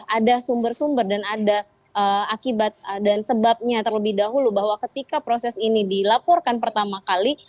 ada sumber sumber dan ada akibat dan sebabnya terlebih dahulu bahwa ketika proses ini dilaporkan pertama kali